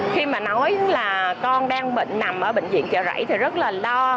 khi mà nói là con đang bệnh nằm ở bệnh viện chợ rẫy thì rất là lo